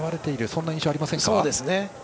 そんな印象ありませんか。